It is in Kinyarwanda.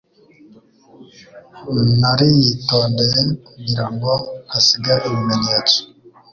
Nariyitondeye kugirango ntasiga ibimenyetso